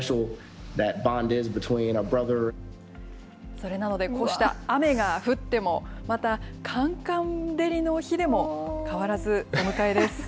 それなので、こうした雨が降っても、またカンカン照りの日でも、変わらずお迎えです。